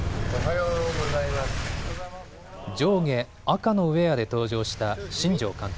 上下、赤のウエアで登場した新庄監督。